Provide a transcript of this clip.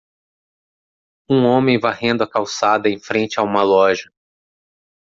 Um homem varrendo a calçada em frente a uma loja.